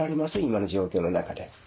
今の状況の中で。